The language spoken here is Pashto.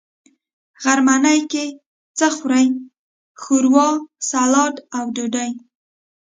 غرمنۍ کی څه خورئ؟ ښوروا، ، سلاډ او ډوډۍ